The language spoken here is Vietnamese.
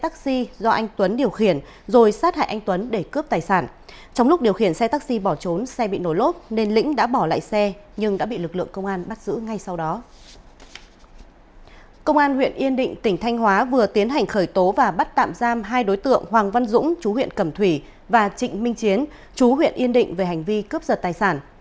công an huyện yên định tỉnh thanh hóa vừa tiến hành khởi tố và bắt tạm giam hai đối tượng hoàng văn dũng chú huyện cẩm thủy và trịnh minh chiến chú huyện yên định về hành vi cướp giật tài sản